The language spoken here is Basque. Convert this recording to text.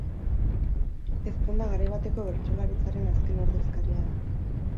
Ezponda garai bateko bertsolaritzaren azken ordezkaria da.